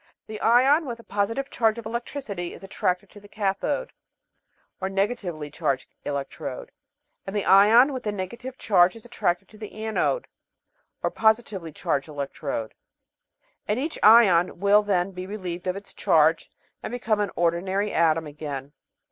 The ion with a positive charge of electricity is attracted to the cathode, or negatively charged electrode, and the ion with the negative charge is attracted to the anode, or positively charged electrode, and each ion will be then relieved of its charge and become an ordinary atom again.